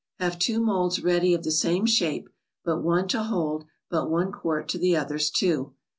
Have two molds ready of the same shape, but one to hold but one quart to the other's two.